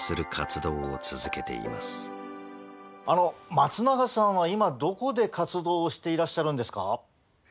松永さんは今どこで活動をしていらっしゃるんですか？